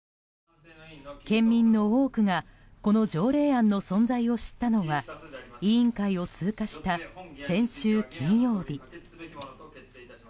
県民の多くが、この条例改正案の存在を知ったのが委員会を通過した先週金曜日。